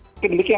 mungkin begini ya